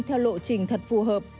theo lộ trình thật phù hợp